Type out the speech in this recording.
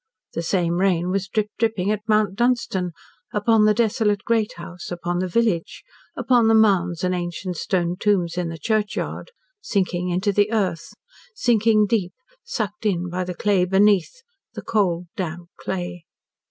The same rain was drip dripping at Mount Dunstan upon the desolate great house upon the village upon the mounds and ancient stone tombs in the churchyard, sinking into the earth sinking deep, sucked in by the clay beneath the cold damp clay.